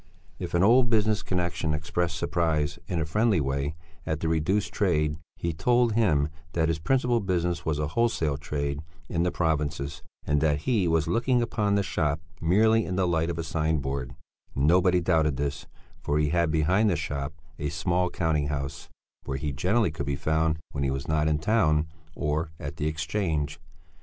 If an old business connexion expressed surprise, in a friendly way, at the reduced trade, he told him that his principal business was a wholesale trade in the provinces, and that he was looking upon the shop merely in the light of a sign board; nobody doubted this, for he had, behind the shop, a small counting house where he generally could be found when he was not in town or at the Exchange.